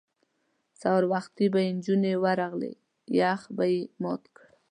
سهار وختي به چې نجونې ورغلې یخ به یې مات کړ.